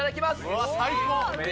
うわ、最高。